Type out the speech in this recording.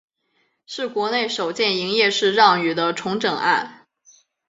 是国内首件营业式让与的重整案。